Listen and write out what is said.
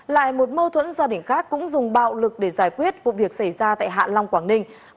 lại một mâu thuẫn gia đình khác cũng dùng bạo lực để giải quyết vụ việc xảy ra tại hạ long quảng ninh